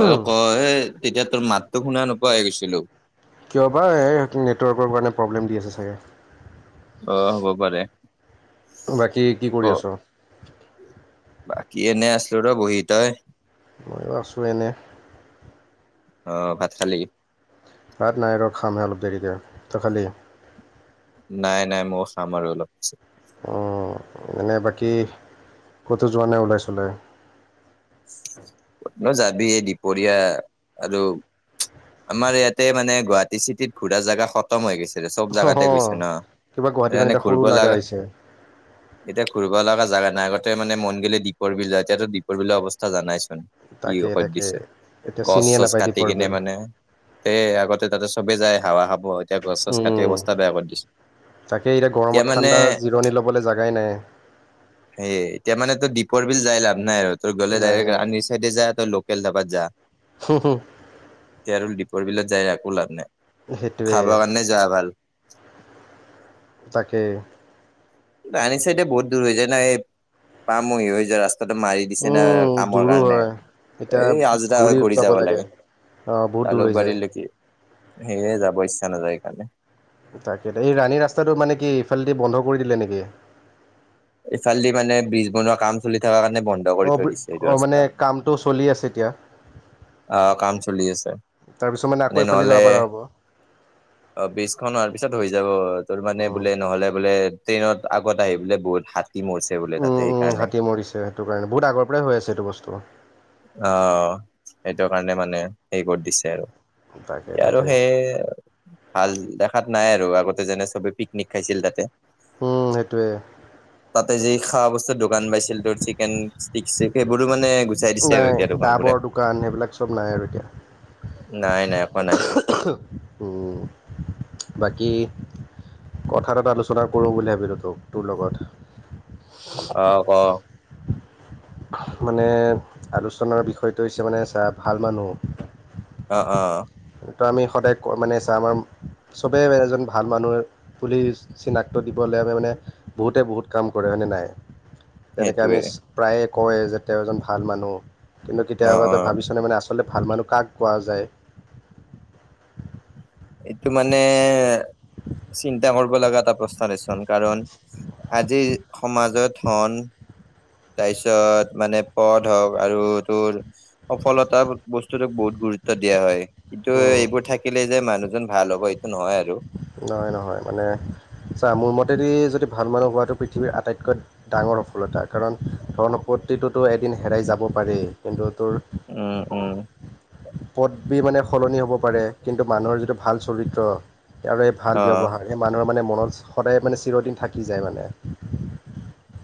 অ কয় তেতিয়া তোৰ মাতটো শুনা নোপোৱাই গৈছিলো। কিয় বা এই নেটৱৰ্কৰ কাৰণে প্ৰব্লেম দি আছে চাগে। অ হব পাৰে? বাকী কি ক কৰি আছ? বাকী এনে আছিলো ৰ বহি। তই? ময়ো আছোঁ এনে। অহ ভাত খালী? ভাত নাই ৰ খামহে অলপ দেৰিকে। তই খালি? নাই নাই মইও খাম বাৰো অলপ পাছত। মনে বাকী কটো যোৱা নাই ওলাই চোলাই? ন যাবি এই দিপৰীয়া আৰু আমাৰ ইয়াতে মানে গুৱাহাটী চিটিত ঘুৰা জোগা খতম হৈ গৈছে। চব জোগাতে অঁ গৈছে কিবা গুৱাহাটীখন ন এতিয়া সৰু ঘূৰিব লগা হৈছে এতিয়া ঘুৰিব লগা জগা নাই, আগতে মানে মন গিলে দীপৰবিল যা, এটিয়াতো দীপৰ বিলৰ অৱস্থা জানাই। কি তাকে ঔষত তাকে দিছে এতিয়া গছ চিনিয়ে চছ নাপায় কাটি দীপৰ বিল কিনে মানে তে আগতে তাতে চবেই যায় হাৱা খাব এতিয়া গছ চছ কাটি উম অৱস্থা বেয়া কৰি দিছে। তাকে এতিয়া গৰমত ঠাণ্ডা জিৰণি ল'বলৈ জাগাই নাই। সেই এতিয়া মানে তো দিপ- পৰ বিল যাই লাভ নাই আৰু তোৰ গ'লে নাই ডাইৰেক ৰানিৰ চাইডে যা তই লোকেল ধাবাত যা। হু হু। তে আৰু দীপৰ বিলত যাই একো লাভ নাই। সেইটোৱে খাবাৰ কাৰণে যোৱা ভাল। তাকে। ৰানী চাইডে বহুত দূৰ হৈ যায় না। এই পামহি হৈ যৱা ৰাস্তাটো টো মাৰি দিছে না উম কামৰ দূৰো কাৰণে। হয় এই আজৰা হৈ ঘূৰি যাবা লাগে। অ বহুত দূৰ হৈ যায়। জালুকবাৰীলৈকে সেয়ে যাব ইচ্ছা নাযায় সেইকাৰণে। তাকে এই ৰাণী ৰাস্তাটো মানে কি ইফালেদি বন্ধ কৰি দিলে নেকি? ইফালদি মানে ব্ৰিজ বনোৱা কাম চলি থকাৰ কাৰণে বন্ধ কৰি অ ব থৈ দিছে এইটো অ ৰাস্তা। মানে কামটো চলি আছে এতিয়া। অহ কাম চলি আছে তাৰপিছত আকৌ মানে এইফালে নহ'লে যাব পৰা হ'ব অ ব্ৰিজখন হোৱাৰ পিছত হৈ যাব। তোৰ মানে বোলে উম নহ'লে বোলে বোলে ট্ৰেইনত আগত আহি বোলে বহুত হ উম উম হাতী মৰিছে, সেইটো কাৰণে। বহুত আগৰ পৰাই হৈ আছে এইটো বস্তু। অ। সেইটোৰ কাৰণে মানে হেই কৰি দিছে আৰু তাকে এতিয়া আৰু তাকে সেই ভাল দেখাত নাই আৰু। আগতে যেনে চবে পিকনিক খাইছিল তাতে। উম এইটোৱে। খাৱা বস্তুৰ দোকান পাইছিল। তোৰ চিকেন ষ্টিক চিক। সেইবোৰো মানে গুচাই দিছে আৰু নাই এতিয়া দোকান বোৰে। ডাবৰ দোকান সেইবিলাক চব নাই আৰু এতিয়া। নাই নাই একো নাই উ-উ উম বাকী কথা এটা আলোচনা কৰোঁ বুলি ভাবিলোঁ তোক-তোৰ লগত। অ‌ ক। মানে আলোচনাৰ বিষয়টো হৈছে মানে চা ভাল মানুহ। অ অ তো আমি সদায় মানে চা আমাৰ চবে এজন ভাল মানুহ বুলি চিনাক্ত দি দ মানে বহুতে বহুত কাম কৰে হয় নে নাই? তেনেকে আমি সেইটোৱে প্ৰায়ে কও যে তেওঁ এজন ভাল মানুহ। কিন্তু অ কেতিয়াবা অ তই ভাবিছনে মানে আচলতে ভাল মানুহ কাক কোৱা যায়? এইটো মানে চিন্তা কৰিব লগা এটা প্ৰশ্ন [unintelligible] কাৰণ আজিৰ সমাজত হন তাৰপিছত মানে পদ হওক আৰু তোৰ সফলতা বস্তুতোক বহুত গুৰুত্ব দিয়া হয়। কিন্তু উম, এইবোৰ থাকিলেই যে মানুহজন ভাল হ'ব এইটো নহয় আৰু। নহয়, নহয় মানে ছা মোৰ মতেদি যদি ভাল মানুহ হোৱাটো পৃথিৱীৰ আটাইতকৈ ডাঙৰ সফলতা কাৰণ ধন সম্পত্তিতো এদিন হেৰাই যাব পাৰে। কিন্তু তোৰ উম উম। পদবি মানে সলনি হ'ব পাৰে, কিন্তু মানুহৰ যিটো ভাল চৰিত্ৰ আৰু এই ভাল অ ব্যৱহাৰ, সেই মানুহৰ মানে মনত সদায় মানে চিৰদিন থাকি যায় মানে।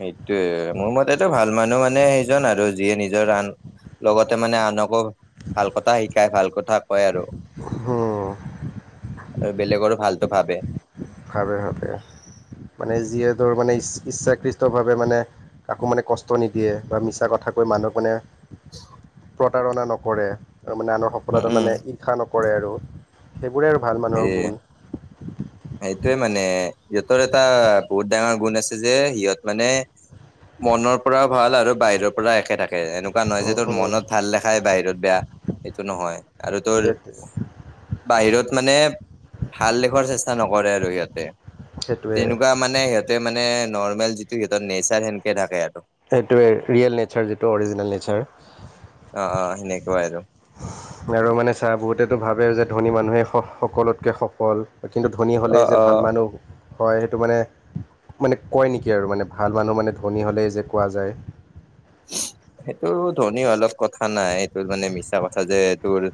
সেইটোয়ে মোৰ মতেটো ভাল মানুহ মানে সেইজন আৰু যিয়ে নিজৰ আন লগতে মানে আনকো ভাল কথা শিকাই ভাল কথা কয় আৰু। হম। আৰু বেলেগৰো ভালটো ভাবে। ভাবে-ভাবে মানে যিয়ে তোৰ মানে ইছ-ইচ্ছাকৃতভাৱে মানে কাকো মানে কষ্ট নিদিয়ে বা মিছা কথা কৈ মানুহক মানে [inaudible] প্ৰতাৰণা নকৰে, মানে আনৰ উম সফলতাত উম মানে ইৰ্ষা নকৰে আৰু। সেইবোৰে আৰু ভাল মানুহৰ গুণ। সেইটোৱে মানে সিহঁতৰ এটা বহুত ডাঙৰ গুণ আছে যে সিহঁত মানে মনৰ পৰাও ভাল আৰু বাহিৰৰ পৰা একে থাকে। এনেকুৱা নহয় যে উম, তোৰ উম, মনত ভাল দেখাই বাহিৰত বেয়া এইটো নহয় আৰু তোৰ সেইটোৱে বাহিৰত মানে ভাল দেখুৱাৰ চেষ্টা নকৰে আৰু সিহতে। সেইটোৱে তেনেকুৱা মানে সিহঁতে মানে এ নৰ্মেল যিটো সিহঁতৰ নেচাৰ সেনকে থাকে আৰু। সেইটোৱে, ৰিয়েল নেচাৰ যিটো অৰিজিনেল নেচাৰ। অ অ সেনেকুৱাই আৰু। আৰু মানে চা বহুতেটো ভাবে যে ধনী মানুহে স-স-সকলোতকে সফল। কিন্তু ধনী অ হ'লেই যে অ ভাল মানুহ হয় সেইটো মানে। মানে কয় নেকি আৰু মানে ভাল মানুহ মানে ধনী হ'লেই যে কোৱা যায়। সেইটো ধনী হোৱাৰ লগত কথা নাই। এইটোৰ মানে মিছা কথা যে এইটোৰ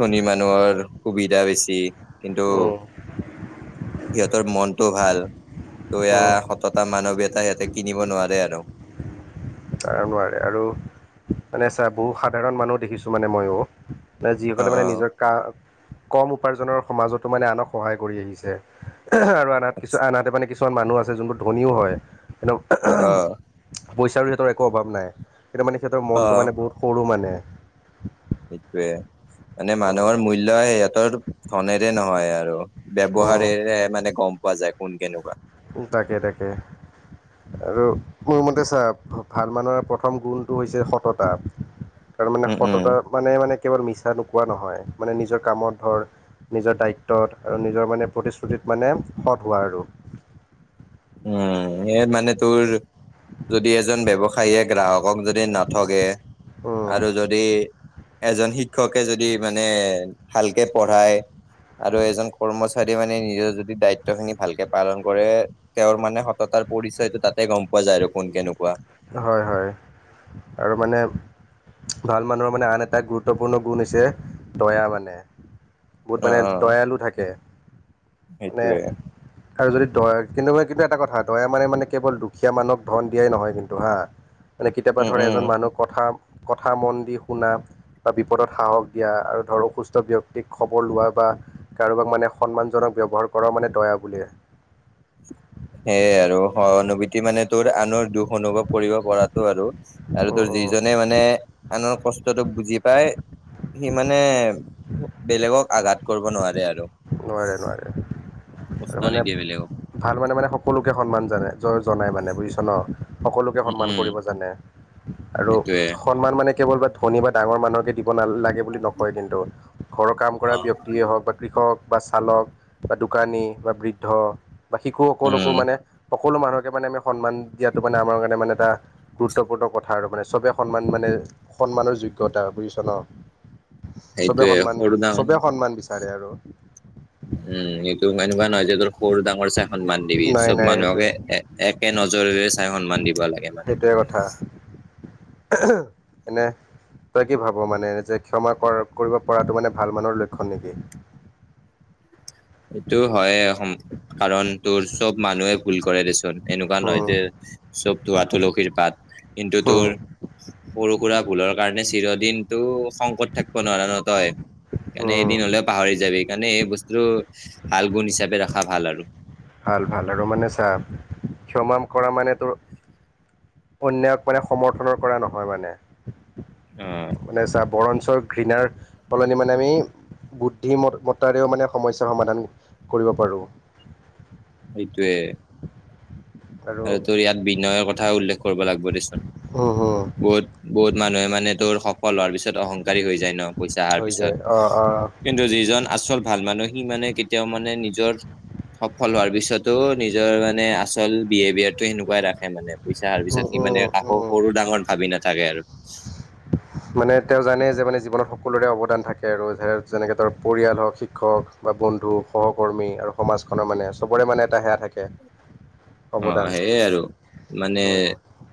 ধনী মানুহৰ সুবিধা বেছি। কিন্তু সিহঁতৰ মনটো ভাল। দয়া, সততা, মানৱীয়তা সিহঁতে কিনিব নোৱাৰে আৰু। ত নোৱাৰে আৰু মানে চা বহু সাধাৰণ মানুহ দেখিছো মানে মইও। অ যিসকলে মানে অ নিজৰ কা কম উপাৰ্জনৰ সমাজতো মানে আনক সহায় কৰি আহিছে। আৰু আনহাত কিছু আনহাতে মানে কিছুমান মানুহ আছে যোনবোৰ ধনীও হয়। কিন্তু অ পইচাৰো সিহঁতৰ একো অভাৱ নাই। কিন্তু মানে সিহঁতৰ মনটো মানে বহুত সৰু মানে। সেইটোৱে মানে মানুহৰ মূল্য সিহঁতৰ ধনেৰে নহয় আৰু। উম, ব্যৱহাৰেৰে মানে গ'ম পোৱা যায় কোন কেনেকুৱা। উম, তাকে, তাকে। আৰু মোৰ মতে চা ভাল মানুহৰ প্ৰথম গুণটো হৈছে সততা। তাৰ মানে উম উম সততা মানে মানে কেৱল মিছা নোকোৱা নহয়। মানে নিজৰ কামত ধৰ নিজৰ দায়িত্বত আৰু নিজৰ মানে প্ৰতিশ্ৰুতিত মানে সৎ হোৱা আৰু। উম সিহঁত মানে তোৰ যদি এজন ব্যৱসায়ীয়ে গ্ৰাহক কক যদি নথগে উম, আৰু যদি এজন শিক্ষকে যদি মানে ভালকে পঢ়ায়। আৰু এজন কৰ্মচাৰী মানে নিজৰ যদি দায়িত্ব খিনি ভালকে পালন কৰে, তেওঁৰ মানে সততাৰ পৰিচয়টো তাতে গম পোৱা যায় আৰু কোন কেনেকুৱা। হয়-হয়, আৰু মানে ভাল মানুহৰ মানে আন এটা গুৰুত্বপূৰ্ণ গুণ হৈছে দয়া মানে। বহুত মানে দয়ালু থাকে মানে সেইটোৱে আৰু যদি দয়া কিন্তু মান কিন্তু এটা কথা দয়া মানে- মানে কেৱল দুখীয়া মানুহক ধন দিয়াই নহয় কিন্তু। হা মানে কেতিয়াবা উম ধৰ উম এজন মানুহ কথা কথা মন দি শুনা বা বিপদত সাহস দিয়া আৰু ধৰ অসুস্থ ব্যক্তিক খবৰ লোৱা বা কাৰোবাক মানে সন্মানজনক ব্যৱহাৰ কৰা মানে দয়া বোলে। [inaudible] সে আৰু সহানুভূতি মানে তোৰ আনৰ দুখ অনুভৱ কৰিব পৰাটো আৰু। আৰু উম তোৰ উম যিজনে মানে আনৰ কষ্টটো বুজি পাই সি মানে বেলেগক আঘাত কৰব' নোৱাৰে আৰু। নোৱাৰে, নোৱাৰে কষ্ট আৰু মানে নিদিয়ে বেলেগক। ভাল মানে মানে সকলোকে সন্মান জানে জ জনাই মানে বুজিছ ন? সকলোকে উম, সন্মান উম, কৰিব জানে। আৰু সেইটোয়ে সন্মান মানে কেৱল বা ধনী বা ডাঙৰ মানুহকে দিব নাল লাগে বুলি নকয় কিন্তু। ঘৰৰ কাম কৰা ব্যক্তিয়ে হওক বা কৃষক বা চালক বা দোকানী বা বৃদ্ধ বা উম। শিশুসকলকো মানে সকলো মানুহকে মানে আমি সন্মান দিয়াটো মানে আমাৰ কাৰণে মানে এটা গুৰুত্বপূৰ্ণ কথা আৰু মানে চবেই সন্মান মানে সন্মানৰ যোগ্যতা বুজিছ ন? চবে সেইটোয়ে সন্মান সৰু ডাঙৰ চবে সন্মান বিচ চাৰে আৰু উম, এইটো এনেকুৱা নহয় যে তোৰ সৰু ডাঙৰ চাই সন্মান দিবি নাই চব নাই সেইটোৱে মানুহকে এ একে নজৰেৰে চাই সন্মান দিব লাগে মানে। [unintelligible] মানে তই কি ভাব মানে যে ক্ষমা কৰা কৰিব পৰাটো মানে ভাল মানুহৰ লক্ষণ নেকি? এইটো হয়, কাৰণ তোৰ চব মানুহে ভুল কৰে দেচোন। এনেকুৱা নহয় যে চব ধোৱা তুলসীৰ পাত। কিন্তু তোৰ উম সৰু-সুৰা ভুলৰ কাৰণে চিৰদিন টো খং কৰি থাকব' নোৱাৰা ন তই। উম সেইকাৰণে উম এদিন হলেও পাহৰি যাবি। সেইকাৰণে এই বস্তুটো ভাল গুণ হিচাপে ৰখা ভাল আৰু। ভাল- ভাল আৰু মানে চা, ক্ষমা কৰা মানে তোৰ অন্যায়ক মানে সমৰ্থনৰ কৰা নহয় মানে, অ মানে চা বৰ ঞ্চ ঘৃণাৰ সলনি মানে আমি বুদ্ধিমত মত্তাৰেও মানে সমস্যা সমাধান কৰিব পাৰোঁ সেইটোৱে আৰু তোৰ ইয়াত বিনয়ৰ কথা উল্লেখ কৰিব লাগব দেচোন, উম, হুম, বহুত - বহুত মানুহে মানে তোৰ সফল হোৱাৰ পিছত অহংকাৰ ৰী হৈ যায় ন পইচা অহাৰ হৈ পিছত যায় অঁ অঁ কিন্তু যিজন আচল ভাল মানুহ সি মানে কেতিয়াও মানে নিজৰ সফল হোৱাৰ পিছতো নিজৰ মানে আচল বিহেভিয়াৰটো সেনেকুৱাই ৰাখে মানে পইচা অহাৰ পিছত সি মানে কাকো সৰু- ডাঙৰ ভাবি নাথাকে আৰু মানে তেওঁ জানে যে মানে জীৱনত সকলোৰে অৱদান থাকে আৰু যেনে যেনেকে ধৰ পৰিয়াল হওক, শিক্ষক বা বন্ধু সহকৰ্মী আৰু সমাজখনৰ মানে চবৰে মানে এটা সেয়া থাকে অ অৱদান সেইয়ে আৰু মানে উম,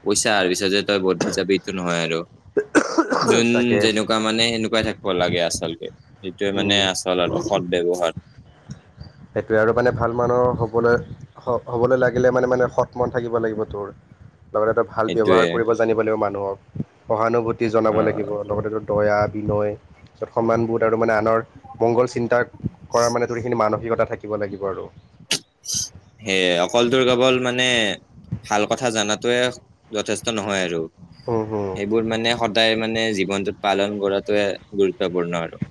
পইচা অহাৰ পিছত তই বদলি যাবি এটো নহয় আৰু যোন তাকে যেনেকুৱা মানে সেনেকুৱাই থাকব লাগে আচলতে সেইটোৱে উম। মানে আচল আৰু সৎ ব্যৱহাৰ সেইটোৱে, আৰু মানে ভাল মানুহ হ'বলৈ- হ'বলৈ লাগিলে মানে মানে সৎ মন থাকিব লাগিব তোৰ লগতে তই ভাল ব্যৱহাৰ সেইটোৱে কৰিব জানিব লাগিব মানুহক, সহানুভূতি জনাব অ লাগিব লগতেটো দয়া বিনয় সন্মানবোধ আৰু মানে আনৰ মংগল চিন্তা কৰাৰ মানে তোৰ সেইখিনি মানু ৱটা থাকিব লাগিব আৰু সেয়ে অকল তোৰ কেৱল মানে ভাল কথা জানাতোৱে, যথেষ্ট নহয় আৰু হুম হুম এইবোৰ মানে সদায় মানে জীৱনটোত পালন কৰাতোৱে গুৰুত্বপূৰ্ণ আৰু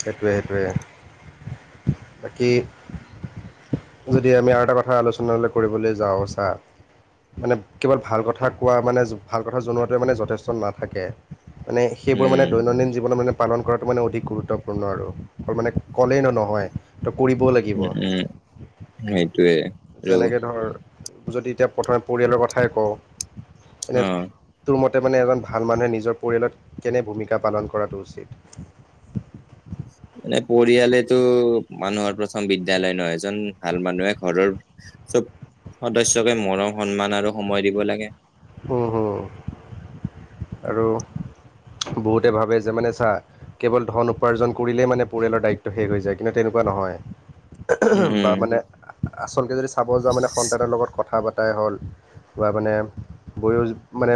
সেইটোৱে, সেইটোৱে বাকী যদি আমি আৰু এটা কথা আলোচনালৈ কৰিবলৈ যাওঁ চা মানে কেৱল ভাল কথা কোৱা মানে ভাল কথা জনোৱাটোৱে মানে যথেষ্ট নাথাকে মানে সেইবোৰ উম মানে দৈনন্দিন জীৱনত মানে পালন কৰাটো মানে অধিক গুৰুত্বপূৰ্ণ আৰু মানে ক'লেই ন নহয় তো কৰিব লাগিব উম উম সেইটোৱে আৰু যেনেকৈ ধৰ যদি এতিয়া প্ৰথমে পৰিয়ালৰ কথাই কওঁ অ এনে তোৰ মতে মানে এজন ভাল মানুহে নিজৰ পৰিয়ালত কেনে ভূমিকা পালন কৰাটো উচিত মানে পৰিয়ালেতো মানুহৰ প্ৰথম বিদ্যালয় ন, এজন ভাল মানুহে ঘৰৰ চব সদস্যকে মৰম সন্মান আৰু সময় দিব লাগে উম, হম। আৰু বহুতে ভাবে যে মানে চা কেৱল ধন উপাৰ্জন কৰিলেই মানে পৰিয়ালৰ দায়িত্ব শেষ হৈ যায় কিন্তু তেনেকুৱা নহয় উম বা উম মানে আচলকে যদি চাব যাঁও মানে সন্তানৰ লগত কথা হ'ল মানে বয় মানে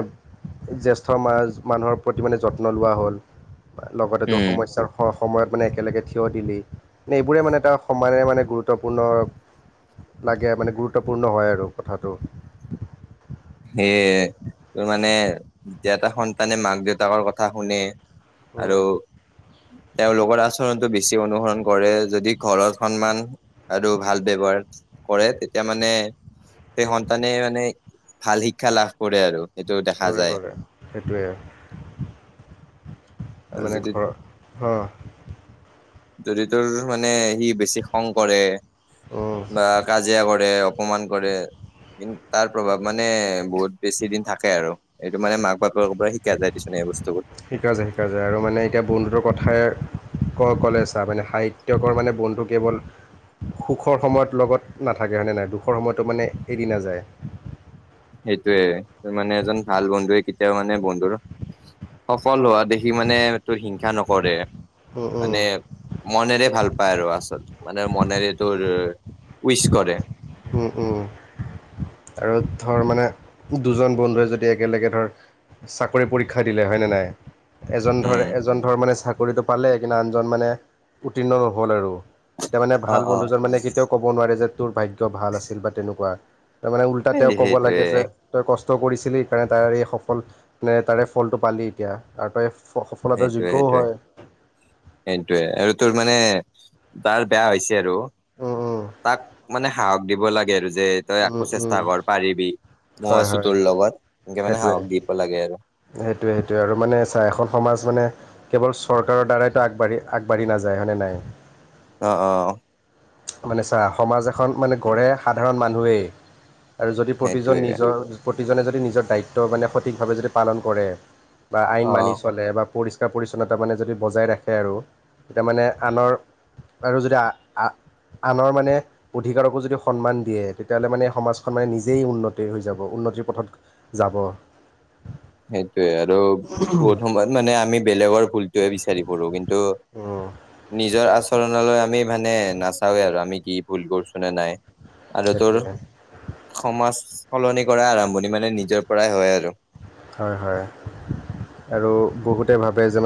জেষ্ঠ সমাজ মানুহৰ প্ৰতি মানে যত্ন লোৱা হ'ল লগতে তোৰ উম সমস্যাৰ স সময়ত মানে একেলগে থিয় দিলি মানে এইবোৰে মানে এটা সমানে মানে গুৰুত্বপূৰ্ণ লাগে মানে গুৰুত্বপূৰ্ণ হয় আৰু কথাটো সেয়ে ত মানে যে এটা সন্তানে মাক দেউতাকৰ কথা শুনে। আৰু তেওঁলোকৰ আচৰণতটো বেছি অনুসৰণ কৰে যদি ঘৰত সন্মান আৰু ভাল ব্যৱহাৰ কৰে তেতিয়া মানে সেই সন্তানে মানে ভাল শিক্ষা লাভ কৰে আৰু সেইটো দেখা কৰে, যায় কৰে সেইটোৱে আৰু আৰু মানে যদি ঘৰ হ জৰি তোৰ মানে সি বেছি খং কৰে অঁ বা কাজিয়া কৰে অক অকমান কৰে কি তাৰ প্ৰভাৱ মানে বহুত বেছি দিন থাকে আৰু সেটো মানে মাক বাপ শিকা যায় শিকা যায় আৰু মানে এতিয়া বন্ধুটোৰ কথাই। ক অকলে চা মানে সাহিত্যকৰ মানে বন্ধু কেৱল। সুখৰ সময়ত লগত নাথাকে হয়নে নাই দুখৰ সময়তো মানে এৰি নাযায়। তেওঁ মানে বন্ধুৰ সফল হোৱা দেখি মানে তোৰ হিংসা নকৰে। উম উম মানে মনেৰে ভাল পায় আৰু আচল। মানে মনেৰে তোৰ উইচ কৰে। উম উম। আৰু ধৰ মানে দুজন বন্ধুৱে যদি একেলগে ধৰ। চাকৰি পৰীক্ষা দিলে হয় নে নাই। এজন উম ধৰ এজন ধৰ মানে চাকৰিটো পালে কিন্তু আনজন মানে উত্তীৰ্ণ নহ'ল আৰু। এতিয়া মানে ভাল বন্ধুজন মানে কেতিয়াও কব নোৱাৰে যে তোৰ ভাগ্য ভাল আছিল বা তেনেকুৱা। তাৰ মানে উল্টা তেওঁ সেই ক'ব লাগে সেইটোয়ে যে তই কষ্ট। কষ্ট কৰিছিলি সেইকাৰণে তাৰে এই সফল তাৰে ফলটো পালি এতিয়া আৰু তই। সফলতাৰ সেইটোৱে যোগ্যও সেইটোৱে হয় সেইটোয়ে আৰু তোৰ মানে। তাৰ বেয়া হৈছে আৰু উম তাক মানে সাহস দিব লাগে আৰু। যে তই উম উম একো উম চেষ্টা কৰ পাৰিবি। ময়ো হয় আছো হয় তোৰ লগত এনেকে মানে সেইটোৱে সাহস দিব লাগে আৰু সেইটোয়ে সেইটোয়ে আৰু মানে চাহ এখ সমাজ মানে কেৱল চৰকাৰৰ দ্বাৰাইতো আগবাঢ়ি আগবাঢ়ি নাযায় হয়নে নাই। অ অ। মানে ছা সমাজ এখন মানে গঢ় সাধাৰণ মানুহেই। আৰু যদি প্ৰতিজন সেইটোয়ে নিজৰ প্ৰতিজনে যদি নিজৰ দায়িত্ব মানে সঠিকভাৱে যদি পালন কৰে। বা আইন অ মানি চলে বা পৰিচ পৰিচ্ছন্নতা মানে যদি বজাই ৰাখে আৰু তেতিয়া মানে আনৰ। আৰু যদি আ আ আনৰ মানে অধিকাৰকো যদি সন্মান দিয়ে। তেতিয়াহ'লে মানে সমাজখন মানে নিজেই উন্নতি হৈ যাব উন্নতিৰ পথত যাব। সেইটোৱে আৰু বহুত সময়ত মানে আমি বেলেগৰ ভুলটোহে বিচাৰি ফুৰো কিন্তু উম, নিজৰ আচৰণলৈ আমি মানে নাচাওৱে আৰু আমি কি ভুল কৰিছো নে নাই। আৰু তোৰ সেইটোৱে সমাজ। সলনি কৰা আৰম্ভণি মানে নিজৰ পৰাই হয় আৰু। হয় হয় আৰু বহুতে ভাৱে যে ম।